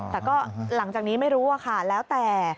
แต่ก็หลังจากนี้ไม่รู้อะค่ะแล้วแต่